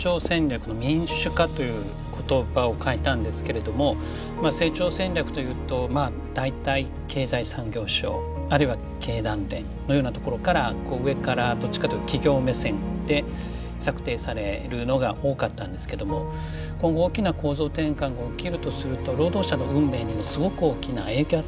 という言葉を書いたんですけれどもまあ成長戦略というと大体経済産業省あるいは経団連のようなところからこう上からどっちかというと企業目線で策定されるのが多かったんですけども今後大きな構造転換が起きるとすると労働者の運命にもすごく大きな影響を与えるんですね。